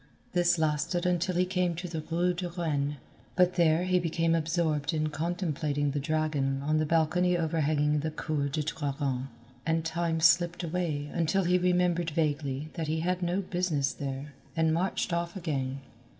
This lasted until he came to the rue de Rennes, but there he became absorbed in contemplating the dragon on the balcony overhanging the Cour du Dragon, and time slipped away until he remembered vaguely that he had no business there, and marched off again.